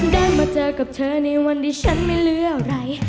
ได้มาเจอกับเธอในวันนี้ฉันไม่เลือกอะไร